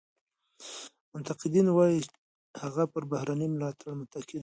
منتقدین وایي هغه پر بهرني ملاتړ متکي دی.